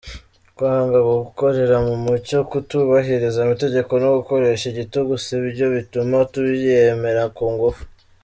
Kwanga gukorera mu mucyo, kutubahiriza amategeko no gukoresha igitugu sibyo bituma tuyemera kungufu ;